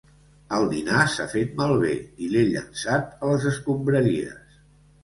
El dinar s'ha fet malbé i l'he llençat a les escombraries.